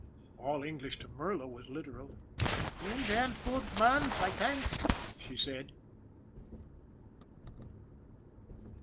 All English to Merla was literal. " Him ban goot mans, I tank," she said.